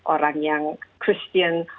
orang yang christian